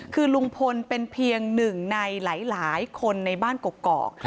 คือลุงพลเป็นเพียงหนึ่งในหลายคนในบ้านกกอก